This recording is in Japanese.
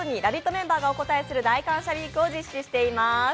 メンバーがお応えする大感謝ウィークを実施しております。